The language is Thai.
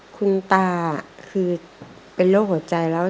คุณตาคือเป็นโรคหัวใจแล้ว